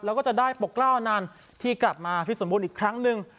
แล้วก็จะได้ปกกล้าอันนั้นที่กลับมาพิษสมบูรณ์อีกครั้งหนึ่ง